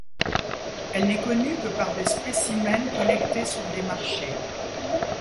Elle n'est connue que par des spécimens collectés sur des marchés.